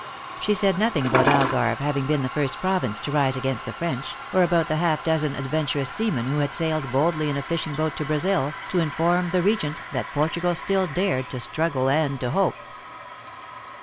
She said nothing about Algarve having been the first province to rise against the French, or about the half dozen adventurous seamen who had sailed boldly in a fishing boat to Brazil, to inform the regent that Port ugal still dared to struggle and to hope.